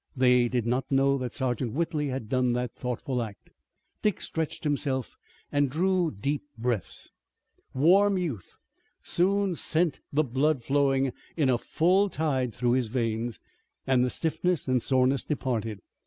They did not know that Sergeant Whitley had done that thoughtful act. Dick stretched himself and drew deep breaths. Warm youth soon sent the blood flowing in a full tide through his veins, and the stiffness and soreness departed.